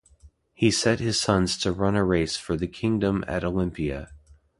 He set his sons to run a race for the kingdom at Olympia.